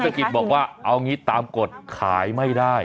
กิจบอกว่าเอางี้ตามกฎขายไม่ได้